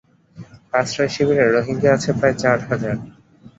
আশ্রয়শিবিরে Rohingya আছে প্রায় চার হাজার।